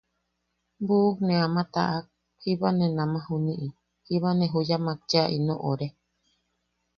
Buʼu ne ama taʼak, jiba ne namaʼa juniʼi... jiba ne juyamak cheʼa ino ore.